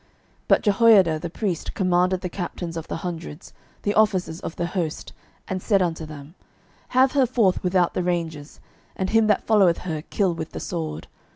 12:011:015 But Jehoiada the priest commanded the captains of the hundreds, the officers of the host, and said unto them, Have her forth without the ranges: and him that followeth her kill with the sword.